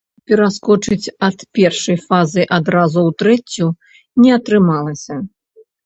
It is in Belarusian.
Пераскочыць ад першай фазы адразу ў трэцюю не атрымалася.